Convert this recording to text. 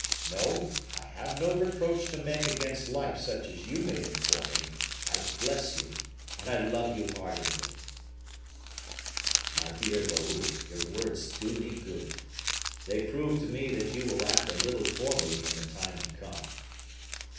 No, I have no reproach to make against life such as you made it for me; I bless you, and I love you ardently." "My dear Raoul, your words do me good. They prove to me that you will act a little for me in the time to come."